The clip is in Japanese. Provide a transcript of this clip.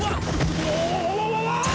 どわわわわ！